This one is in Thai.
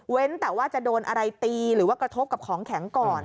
แต่ว่าจะโดนอะไรตีหรือว่ากระทบกับของแข็งก่อน